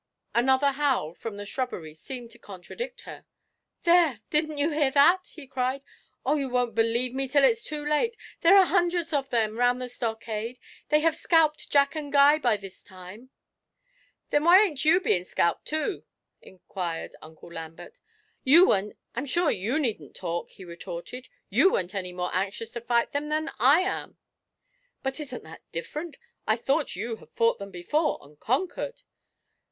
Another howl from the shrubbery seemed to contradict her. 'There, didn't you hear that?' he cried. 'Oh, you won't believe me till it's too late! There are hundreds of them round the stockade. They may have scalped Jack and Guy by this time!' 'And why ain't you being scalped too?' inquired Uncle Lambert. 'I'm sure you needn't talk!' he retorted; 'you weren't any more anxious to fight than I am.' 'But isn't that different? I thought you had fought them before, and conquered?'